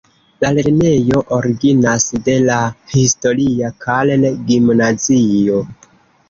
La lernejo originas de la historia Karl-gimnazio.